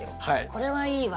これはいいわ。